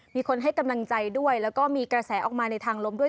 มีคนให้กำลังใจด้วยแล้วก็มีกระแสออกมาในทางลมด้วย